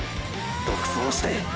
独走して！！